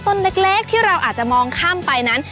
ต้นเล็กที่เราอาจจะมองข้ามไปนั้น